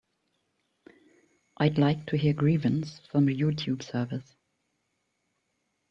I'd like to hear Grievance from the Youtube service